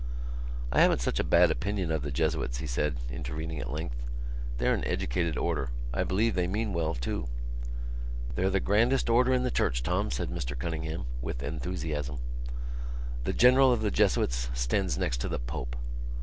"I haven't such a bad opinion of the Jesuits," he said, intervening at length. "They're an educated order. I believe they mean well too." "They're the grandest order in the Church, Tom," said Mr Cunningham, with enthusiasm. "The General of the Jesuits stands next to the Pope."